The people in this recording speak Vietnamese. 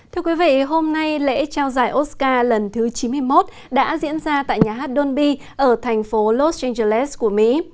thưa quý vị hôm nay lễ trao giải oscar lần thứ chín mươi một đã diễn ra tại nhà hát donby ở thành phố los angeles của mỹ